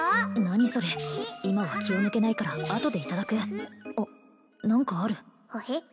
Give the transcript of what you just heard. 何それ今は気を抜けないからあとでいただくあっ何かあるほへ？